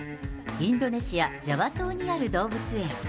インドネシア・ジャワ島にある動物園。